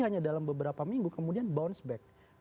hanya dalam beberapa minggu kemudian bounce back